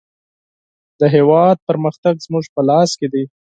د هېواد پرمختګ زموږ په لاس کې دی.